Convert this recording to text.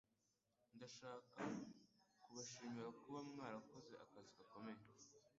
Ndashaka kubashimira kuba mwarakoze akazi gakomeye.